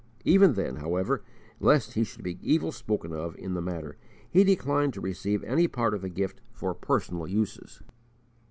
Even then, however, lest he should be evil spoken of in the matter, he declined to receive any part of the gift for personal uses.